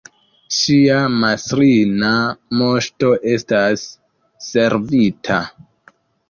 Ŝia mastrina Moŝto estas servita!